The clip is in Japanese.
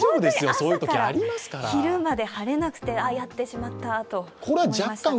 朝から昼まで晴れなくて、ああ、やってしまったと思いました